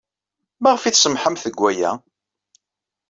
Maɣef ay tsemmḥemt deg waya?